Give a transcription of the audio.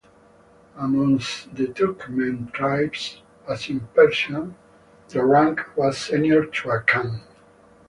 Amongst the Turkmen tribes, as in Persia, the rank was senior to a khan.